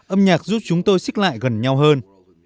âm nhạc giúp chúng tôi xích lại gần nhau hơn